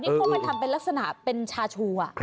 เพราะมันทำเป็นลักษณะเป็นชาชู